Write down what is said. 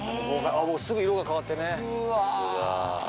すぐ色が変わってね。